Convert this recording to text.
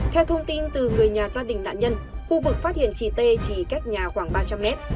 theo thông tin từ người nhà gia đình nạn nhân khu vực phát hiện chị t chỉ cách nhà khoảng ba trăm linh mét